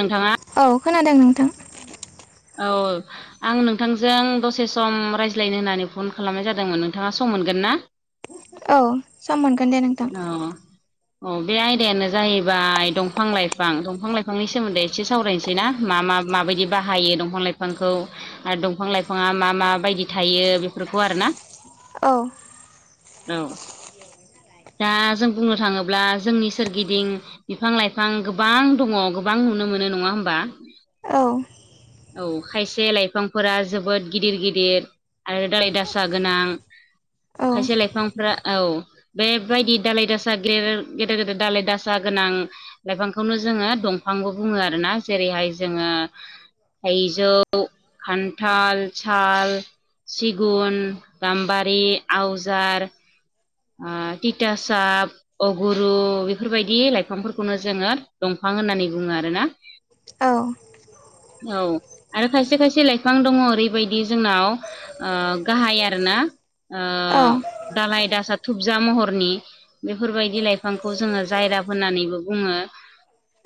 नोंथाङा औ खोनादों नोंथां औ आं नोंथांजों दसे सम रायज्लायनो होननानै फन खालामनाय जादोंमोन नोंथाङा सम मोनगोन ना? औ सम मोनगोन दे नों अ अ बे आयदायानो जाहैबाय दंफां लाइफां दंफां लाइफांनि सोमोन्दै एसे सावराय सै ना मा मा माबायदि बाहायो दंफां लाइफांखौ आरो दंफां लाइफाङा मा मा माबायदि थायो बेफोरखौ आरोना औ औ दा जों बुंनो थाङोब्ला जोंनि सोरगिदिं बिफां लाइफां गोबां दङ गोबां नुनो मोनो नङा होमबा? औ औ खायसे लाइफांफोरा जोबोद गिदिर गिदिर आरो दाालालि दासा गोनां औ खायसे लाइफांफ्रा औ बे बेबायदि दालाय दासा गेेर गेदेर गेदेर दालाय दासा गोनां लाइफांखौनो जोंङो दंफांबो बुंङो आरोना जेरैहाय जोंङो थाइजौ खान्थाल साल सिगुन गाम्बारि आवजार आ टिटा साब अगुरु बेफोरबायदि लाइफांफोरखौनो जोंङो दंफां होननानै बुंङो आरोना औ औ आरो खायसे खायसे लाइफां दंङो ओरैबायदि जोंनाव ओ गाहाय आरोना ओ औ दालाय दासा थुबजा महरनि बेफोरबायदि लाइफांखौ जोंङो जायराफ होननानैबो बुंङो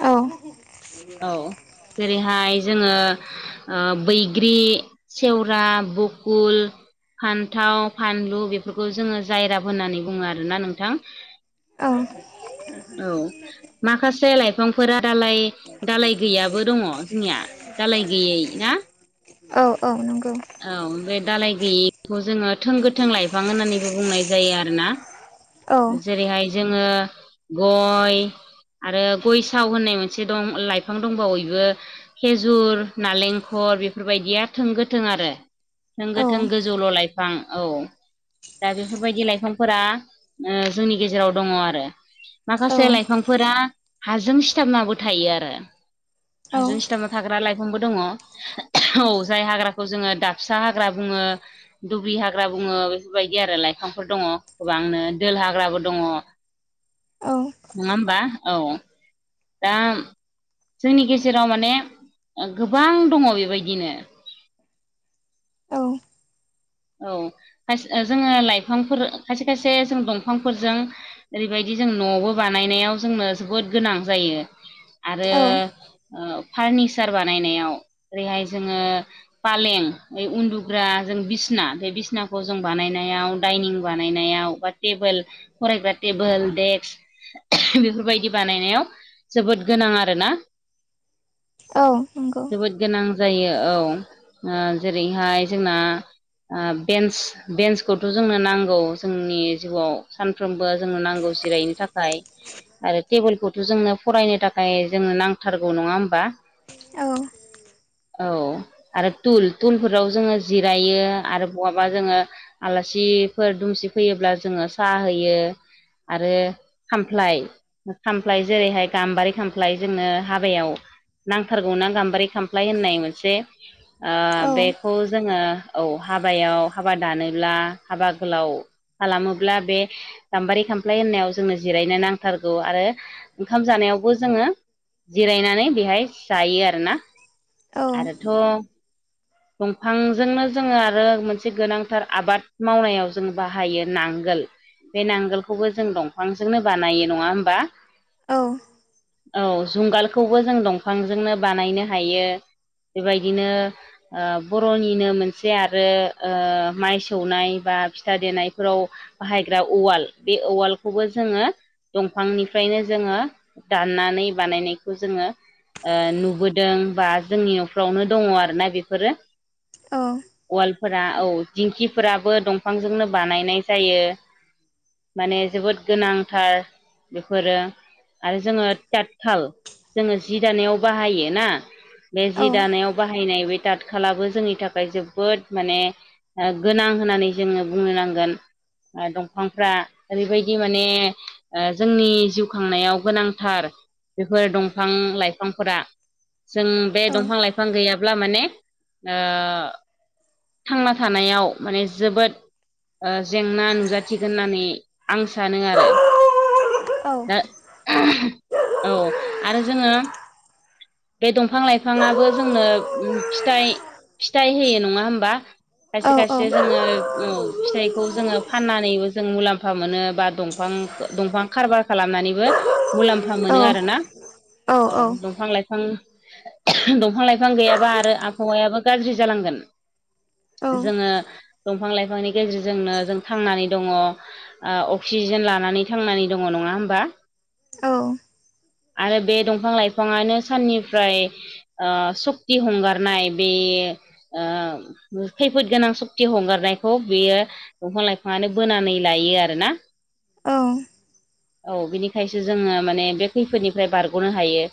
औ [inaudible] जेरैहाय जोंङो बैग्रि सेवरा बकुल फान्थाव फानलु बेफोरखौ जोंङो जायराफ होननानै बुङो आरोना नोंथां औ औ माखासे लाइफांफोरा दालाय दालाय गैयाबो दंङो जोंनिया दालाय गैयै ना औ-औ नंगौ औ बे दालाय गैयिखौ जोंङो थों गोथों लाइफां होननानैबो बुंनाय जायो आरोना औ जेरैहाय जोंङो गय आरो गय साव होननाय मोनसे दं लाइफां दंबावो इबो थेजुर नालेंखर बेफोरबायदिया थों गो थों आरो थों औ गोथों गोजौल' लाइफां औ दा बेफोरबायदि लाइफांफोरा जोंनि गेजेराव दंङो आरो औ माखासे लाइफांफोरा हाजों सिथाबनाबो थायो आरो हाजों सिथाबना थाग्रा लाइफांबो दंङो औ जाय हाग्राखौ जोंङो दाबसा हाग्रा बुंङो दुब्रि हाग्रा बुंङो बेफोरबायदि आरो लाइफांफोर दंङो गोबांनो दोल हाग्राबो दंङो औ नंङा होमबा औ दा जोंनि गेजेराव माने गोबां दंङो बेबायदिनो औ औ जोंङो लाइफांफोर खायसे खायसे जों दंफांफोरजों ओरैबायदि जों न'आवबो बानायनायाव जोंनो जोबोद गोनां जायो आरो औ फार्निचार बानायनायाव ओरैहाय जोंङो फालें ओइ उन्दुग्रा जों बिस सना बे बिसनाखौ जों बानायनायाव दडाइनिं बानायनायाव बा टेबोल फरायग्रा टेबोल देक्स बेफोरबायदि बानायनायाव जोबोद गोनां आरोना औ नंगौ जोबोद गोनां जायो औ जेरैहाय जोंना बेन्स बेन्सखौथ' जोंनो नांगौ जोंनि जिउआव सानफ्रोमबो जोंनो नांगौ जिराय नो थाखाय आरो टेबोलखौथ' जोंनो फरायनो थाखाय जोंनो नांथारगौ नङा होमबा औ औ आरो तुल तुलफोराव जोंङो जिरायो आरो बहाबा जोंङो आलासिफोर दुमसि फैयोब्ला जोंङो साहा होयो आरो खामफ्लाय खामफ्लाय जेरैहाय गाम्बारि खामफ्लाय जोंनो हाबायाव नांथारगौना गाम्बारि खामफ्लाय होननाय मोनसे बेखौ जोङो औ हाबायाव हाबा दानोब्ला हाबा गोलाव खालामोब्ला बे गाम्बारि खामफ्लाय होननायाव जोंनो जिरायनो नांथारगौ आरो ओंखाम जानायावबो जोङो जिरायनानै बेहाय जायो आरोना आरोथ' दंफांजोंनो जोङो आरो मोनसे गोनांथार आबाद मावनायाव जों बाहायो नांगोल बे नांगोलखौबो जों दंफांजोंनो बानायो नङा होमबा औ औ जुंगालखौबो जों दंफांजोंनो बानायनो हायो बेबायदिनो बर'निनो मोनसे आरो आरो माइ सौनाय बा फिथा देनायफोराव बाहायग्रा उवाल बे औवालखौबो जोङो दंफांनिफ्रायनो जोङो दाननानै बानायनायखौ जोङो नुबोदों बा जोंनि न'फ्रावनो दङ आरोना बेफोरो औ उवालफोरा औ दिंखिफोराबो दंफांजोंनो बानायनाय जायो माने जोबोद गोनांथार बेफोरो आरो जोंङो थाल जोंङो जि दानायाव बाहायो ना बे जि दानायाव बाहायनाय बे दतखालाबो जोंनि थाखाय जोब बोद माने गोनां होननानै जोङो बुंनो नांगोन दंफांफ्रा ओरैबायदि माने जोंनि जिउ खांनायाव गोनांथार बेफोर दंफां लाइफांफोरा जों बे दंफां लाइफां गैयाब्ला माने थांना थानायाव माने जोबोद जेंना नुजाथिगोन होननानै आं सानो आरो दा औ आरो जोङो बे दंफां लाइफाङाबो जोंनो फिथाइ फिथाइ होयो नङा होमबा खायसे खायसे जोङो फिथाइखौ जोङो फाननानैबो जों मुलाम्फा मोनो बा दफां दंफां खारबा खालामनानैबो मुलाम्फा मोनो आरोना औ दंफां लाइ बिफां दंफां लाइफां गैयाबा आरो आबहावायाबो गाज्रि जालांगोन जोङो दंफां लाइफांनि गेजेरजोंनो जों थांनानै दङ ओ अक्सिजेन लानानै थांनानै दङ नङा होमबा आरो बे दंफां लाइफाङानो साननिफ्राय सक्थि हंगारनाय बे खैफोद गोनां सुक्ति हंगारनायखौ बियो दंफां लाइफाङानो बोनानै लायो आरोना औ औ बिनिखायसो जोङो माने बे खैफोदनिफ्राय बारग'नो हायो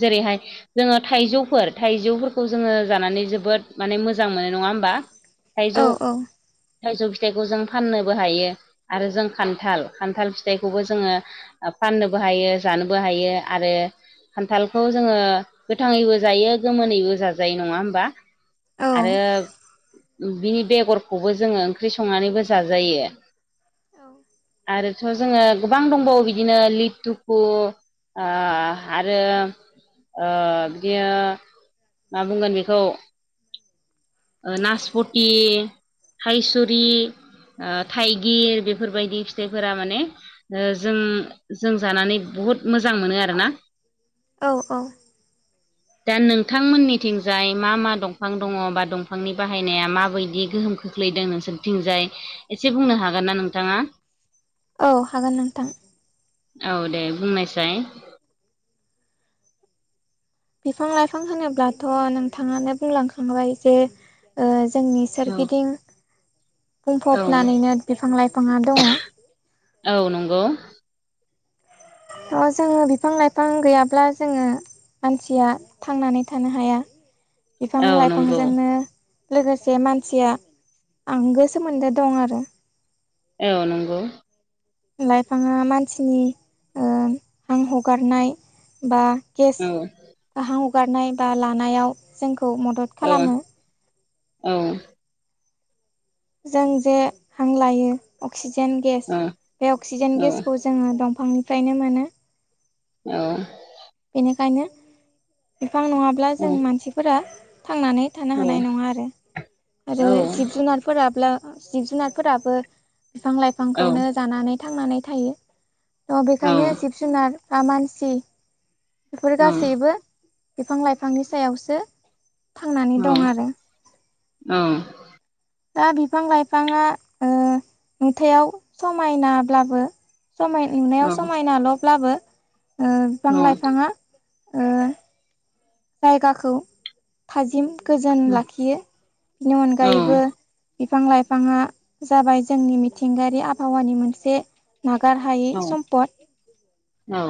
जेरैहाय जोङो थाइजौफोर थाइजौफोरखौ जोङो जानानै जोबोद माने मोजां मोनो नङा होमबा थायजौ थाइजौ फिथाइखौ जों फाननोबो हायो आरो जों खान्थाल खान्थाल फिथाइखौबो जोङो फाननोबो हायो जानोबो हायो आरो खान्थालखौ जोङो गोथाङैबो जायो गोमोनैबो जाजायो नङा होमबा आरो बिनि बेगरखौबो जोङो ओंख्रि संनानैबो जाजायो आरोथ' जोङो गोबां दंबावो बिदिनो लिटुखु आरो बिदिनो मा बुंगोन बेखौ नासपति थाइसुरि ओ थाइगिर बेफोरबायदि फिथाइफोरा माने ओ जों जों जानानै बहुद मोजां मोनो आरो ना औ औ दा नोंथांमोननिथिंजाय मा मा दंफां दङ बा दं फांनि बाहायनाया माबायदि गोहोम खोख्लैदों नोंसोरथिंजाय एसे बुंनो हागोन ना नोंथाङा औ हागोन नोंथां औ दे बुंनायसाय बिफां लाइफां होनोब्लाथ' नोंथाङानो बुंलांखांबाय जे ओ जोंनि औ सोरगिदिं औ बुंफबनानैनो बिफां लाइफाङा दङ औ नंगौ स' जोङो बिफां लाइफां गैयाब्ला जोङो मानसिया थांनानै थानो हाया बिफां औ नंगौ लाइफांजोंनो लोगोसे मानसिया आंगो सोमोन्दो दं आरो औ नंगौ लाइफाङा मानसिनि ओ हां हगारनाय बा गेस औ ओ हां हगारनाय बा लानायाव जोंखौ मदद औ खालामो औ जों जे हां लायो अक्सिजेन गेस औ बे अक्सिजेन गेसखौ जोङो दंफांनिफ्रायनो मोनो औ बेनिखायनो बिफां नङाब्ला जों मानसिफोरा थांनानै थानो हानाय नङा आरो आरो जिब जुनारफोराब्लो जिब जुनारफोराबो बिफां लाइ औ फांखौनो जानानै थांनानै थायो थ' बेखायनो औ जिब जुनार मानसि बेफोर औ गासैबो बिफां लाइफांनि सायावसो थांनानै दं आरो औ दा बिफां लाइफाङा ओ नुथायाव समायनाब्लाबो समाय नुनायाव समायनाल'ब्लाबो ओ बिफां लाइफाङा ओ जायगाखौ थाजिम गोजोन लाखियो बेनि अनगायैबो बिफां लाइफाङा जाबाय जोंनि मिथिंगायारि आबहावानि मोनसे नागार हायै सम्पद औ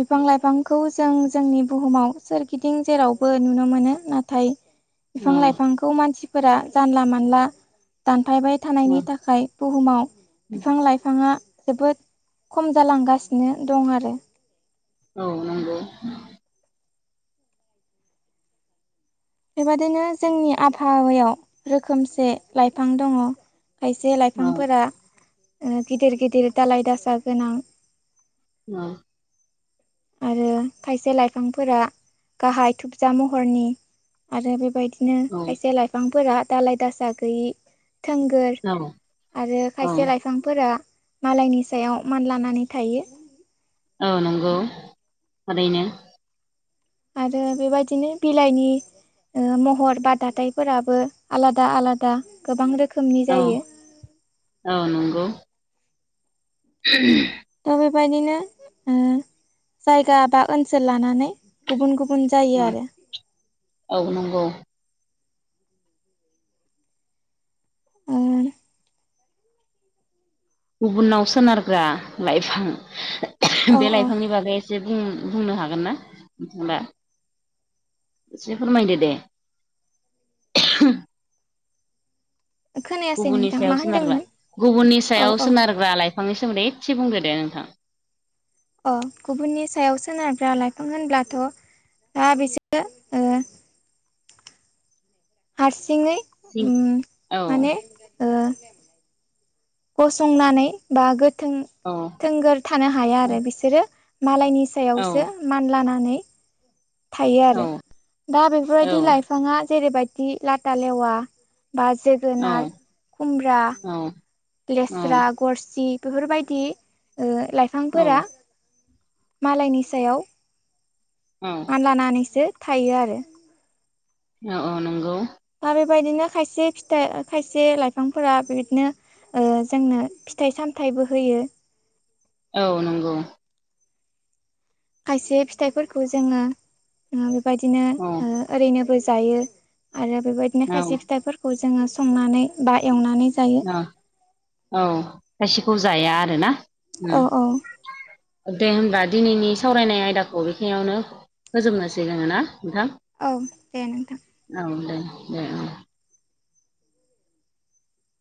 बिफां लाइफांखौ जों जोंनि बुहुमाव सोरगिदिं जेरावबो नुनो मोनो नाथाय बिफां लाइफांखौ मानसिफोरा जानला मानला दानफायबाय थानायनि थाखाय बुहुमाव बिफां लाइफाङा जोबोद खम जालांगासिनो दं आरो औ नंगौ बेबादिनो जोंनि आबहावायाव रोखोमसे लाइफां दङ खायसे औ लाइफांफोरा ओ गिदिर गिदिर दाालाय दासा गोनां [unintelligible] आरो खायसे लाइफांफोरा गाहाय थुबजा महरनि आरो बेबायदि नो खायसे लाइफांफोरा दाालाय दासा गैयि थोंगोर आरो खायसे लाइ फांफोरा मालायनि सायाव मानलानानै थायो औ नंगौ थारैनो आरो बेबायदिनो बिलाइनि ओ महर बा दाथायफोराबो आलादा आलादा गोबां रोखोमनि जायो औ नंगौ [inaudible] दा बेबायदिनो ओ जायगा बा ओनसोल लानानै गुबुन गुबुन जायो आरो आ नंगौ ओ गुबुनाव सोनारग्रा लाइफां औ बे औ लाइफांनि बागै एसे बुं बुंनो हागोन ना ओमबा एसे फोरमायदो दे खोनायासै गुबुननि नोंथां सायाव मा सोनारग्रा होनदोंमोन गुबुननि औ सायाव औ सोनारग्रा लाइफांनि सोमोन्दै एसे बुंदो दे नोंथां। अ गुबुननि सायाव सोनारग्रा लाइफां होनब्लाथ' दा बे ओ ओ हारसिङै सिं उम औ माने ओ गसंनानै बा गोथों औ थोंगोर थानो हाया आरो बिसोरो मालायनि औ सायावसो मानलानानै थायो औ आरो दा बेफोरबायदि औ लाइ फाङा जेरैबायदि लाटा लेवा बा औ जोगोनार खुमब्रा औ औ लेस्रा गरसि बेफोरबायदि ओ लाइफांफोरा औ मालायनि सायाव औ मानलानानैसो थायो आरो अ-अ नंगौ दा बेबायदिनो खायसे फिथाइ खायसे लाइफांफोरा बेबायदिनो ओ जोंनो फिथाइ सामथाइबो होयो। औ नंगौ खायसे फिथाइफोरखौ जोङो ओ बेबायदिनो औ ओ ओरैनोबो जायो आरो बेबायदिनो खायसे औ फिथाइफोर खौ जोङो संनानै बा एवनानै जायो। अ औ खायसेखौ जाया आरोना उम। औ औ दे होमबा दिनैनि सावरायनाय आयदाखौ बेखिनियावनो होजोबनोसै जोङो ना नोंथां? औ दे नोंथां औ दे दे